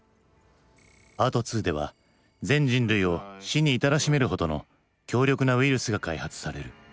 パート２では全人類を死に至らしめるほどの強力なウイルスが開発される。